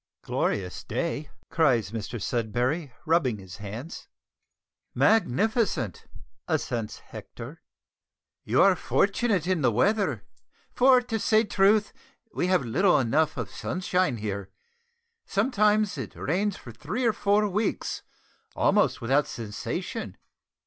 "Glorious day," cries Mr Sudberry, rubbing his hands. "Magnificent," assents Hector. "You are fortunate in the weather, for, to say truth, we have little enough of sunshine here. Sometimes it rains for three or four weeks, almost without cessation."